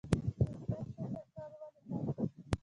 مثبت فکر کول ولې ښه دي؟